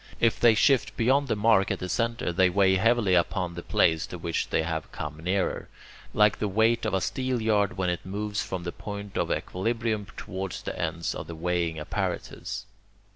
If they shift beyond the mark at the centre, they weigh heavily upon the place to which they have come nearer, like the weight of a steelyard when it moves from the point of equilibrium towards the end of the weighing apparatus.